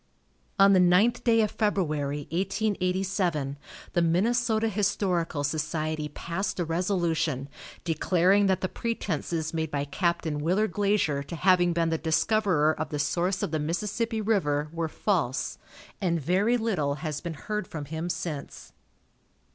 On the ninth day of February, 1887, the Minnesota Historical Society passed a resolution, declaring that the pretenses made by Capt. Willard Glazier to having been the discoverer of the source of the Mississippi river were false, and very little has been heard from him since.